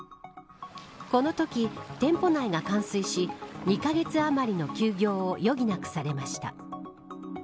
このとき店舗内が冠水し２カ月余りの休業を余儀なくされました。